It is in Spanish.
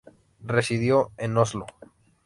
Residió en Oslo.